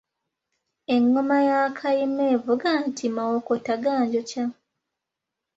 Engoma ya Kayima evuga nti, ‘Mawokota ganjokya’.